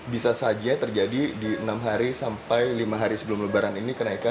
bisa saja terjadi di enam hari sampai lima hari sebelum lebaran ini kenaikan